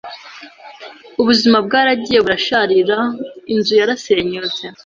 Ubuzima bwaragiye burasharira inzu yarasenyutse